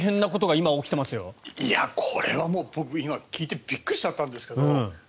今、僕これを聞いてびっくりしちゃったんですけど。